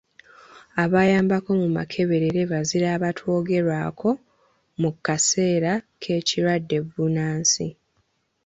Abayambako mu makeberere bazira abatoogerwako mu mu kaseera k'ekirwadde bbunansi.